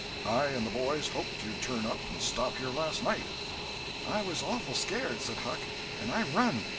I and the boys hoped you'd turn up and stop here last night." "I was awful scared," said Huck, "and I run.